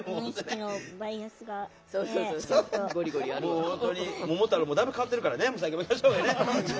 もう本当に桃太郎もだいぶ変わってるからね。